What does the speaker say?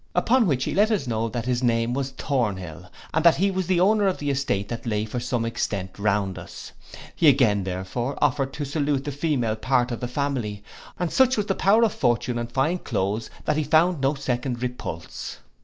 Upon which he let us know that his name was Thornhill, and that he was owner of the estate that lay for some extent round us. He again, therefore, offered to salute the female part of the family, and such was the power of fortune and fine cloaths, that he found no second repulse.